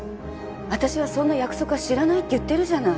私はそんな約束は知らないって言ってるじゃない。